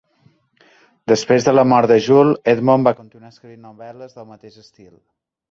Després de la mort de Jules, Edmond va continuar escrivint novel·les del mateix estil.